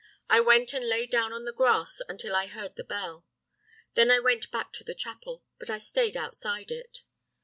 I went and lay down on the grass until I heard the bell. Then I went back to the chapel, but I stayed outside it.